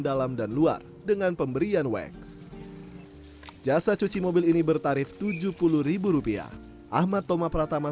dalam dan luar dengan pemberian wax jasa cuci mobil ini bertarif tujuh puluh rupiah ahmad toma pratama